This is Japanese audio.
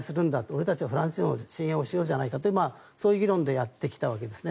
俺たちはフランス人を信用しようじゃないかというそういう議論でやってきたわけです。